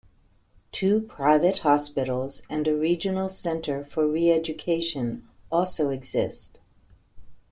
Two private hospitals and a regional center for re-education also exist.